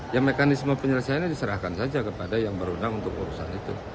ya mekanisme penyelesaiannya diserahkan saja kepada yang berundang untuk urusan itu